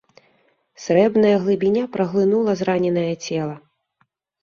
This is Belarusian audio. Срэбная глыбіня праглынула зраненае цела.